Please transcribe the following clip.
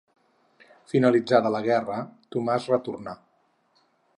Finalitzada la guerra, Tomàs retornà.